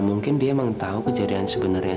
mungkin dia emang tau kejadian sebenernya